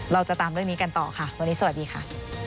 เราจะตามเรื่องนี้กันต่อค่ะวันนี้สวัสดีค่ะ